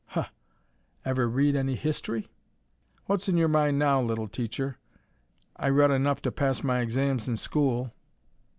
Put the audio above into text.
"Huh! Ever read any history?" "What's on your mind now, little teacher? I read enough to pass my exams in school."